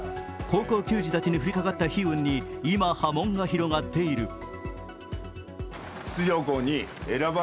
高校球児たちに降りかかった悲運に、今、波紋が広がっている。